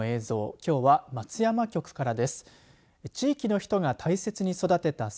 きょうは松山局からです。